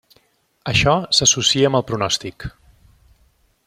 Això s'associa amb el pronòstic.